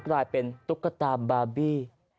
กลายเป็นตุ๊กตาบบี